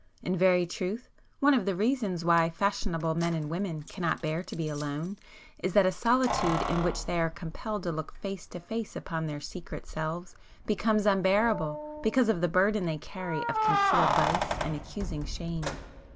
In very truth, one of the reasons why 'fashionable' men and women cannot bear to be alone is, that a solitude in which they are compelled to look face to face upon their secret selves becomes unbearable because of the burden they carry of concealed vice and accusing shame.